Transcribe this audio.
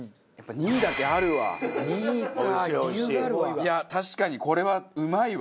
いや確かにこれはうまいわ。